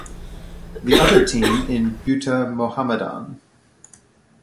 The other team in Bhutta Mohammadan.